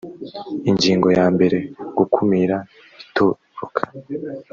ingingo ya mbere gukumira itoroka